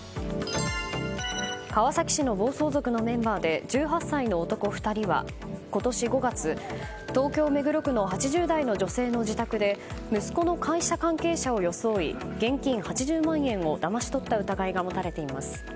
川崎市の暴走族のメンバーで１８歳の男２人は今年５月東京・目黒区の８０代の女性の自宅で息子の会社関係者を装い現金８０万円をだまし取った疑いが持たれています。